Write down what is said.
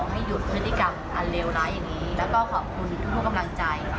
ให้หยุดพฤติกรรมอันเลวร้ายอย่างนี้แล้วก็ขอบคุณทุกกำลังใจ